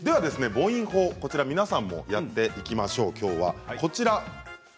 皆さんもやっていきましょう。